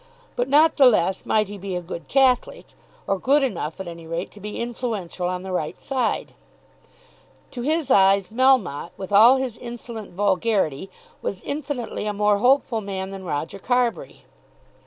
But, not the less might he be a good Catholic, or good enough at any rate to be influential on the right side. To his eyes Melmotte, with all his insolent vulgarity, was infinitely a more hopeful man than Roger Carbury.